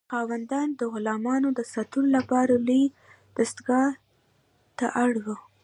خاوندان د غلامانو د ساتلو لپاره لویې دستگاه ته اړ وو.